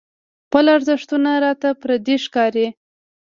خپل ارزښتونه راته پردي ښکاري.